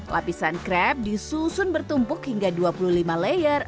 lapisan crab disusun bertumpuk hingga dua puluh lima layer